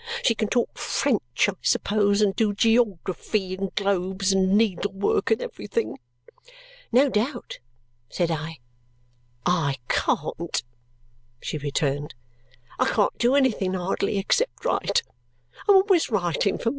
She can talk French, I suppose, and do geography, and globes, and needlework, and everything?" "No doubt," said I. "I can't," she returned. "I can't do anything hardly, except write. I'm always writing for Ma.